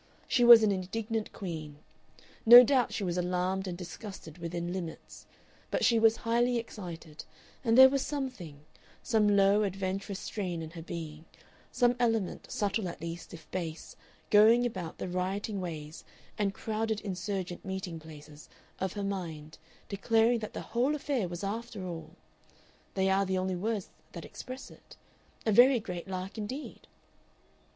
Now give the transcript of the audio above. She was an indignant queen, no doubt she was alarmed and disgusted within limits; but she was highly excited, and there was something, some low adventurous strain in her being, some element, subtle at least if base, going about the rioting ways and crowded insurgent meeting places of her mind declaring that the whole affair was after all they are the only words that express it a very great lark indeed.